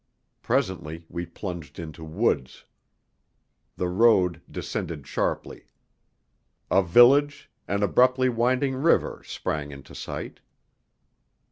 Presently we plunged into woods. The road descended sharply. A village, an abruptly winding river sprang into sight.